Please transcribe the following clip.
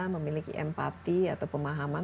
memiliki empati atau pemahaman